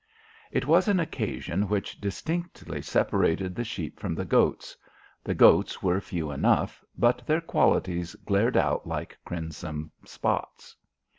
It was an occasion which distinctly separated the sheep from the goats. The goats were few enough, but their qualities glared out like crimson spots.